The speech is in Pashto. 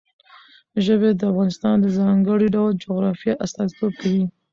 ژبې د افغانستان د ځانګړي ډول جغرافیه استازیتوب کوي.